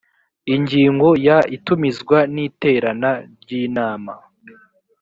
ingingo ya itumizwa n iterana ry inama